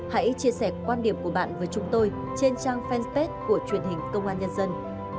hãy chia sẻ quan điểm của bạn với chúng tôi trên trang fanpage của truyền hình công an nhân dân